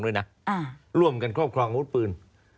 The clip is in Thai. เลยนะร่วมกันครบครองพื้น